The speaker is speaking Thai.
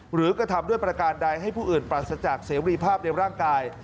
กระทำด้วยประการใดให้ผู้อื่นปราศจากเสรีภาพในร่างกาย